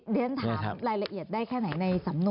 เรียนถามรายละเอียดได้แค่ไหนในสำนวน